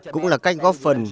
cũng là cách góp phần